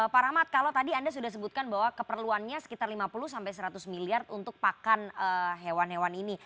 pak rahmat kalau tadi anda sudah sebutkan bahwa keperluannya sekitar lima puluh sampai seratus miliar untuk pakan hewan hewan ini